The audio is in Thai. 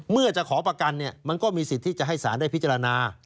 เมื่อจะขอประกันมันก็มีสิทธิ์ที่จะให้สารได้พิจารณา